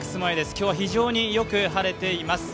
今日は非常によく晴れています。